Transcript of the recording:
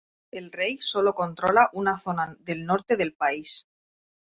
El rey sólo controla una zona del norte del país.